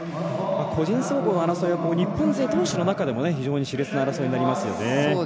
個人総合の争いは日本勢どうしの中でも非常にしれつな争いになりますね。